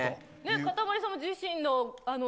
かたまりさんも自身の。